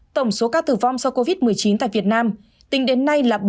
tổng số ca tử vong do covid một mươi chín tại việt nam tính đến nay là bốn mươi ba bốn mươi chín ca